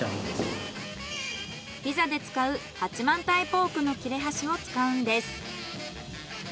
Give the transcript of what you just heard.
ピザで使う八幡平ポークの切れ端を使うんです。